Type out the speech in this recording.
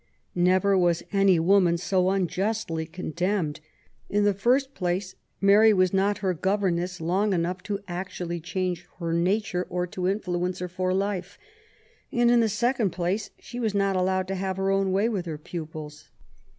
Never was any woman so unjustly condemned. In the first place, Mary was not her governess long enough to LIFE A8 a07EENE88. 57 actually change her nature, or to influence her for life ; and, in the second place^ she was not allowed to have her own way with her pupils.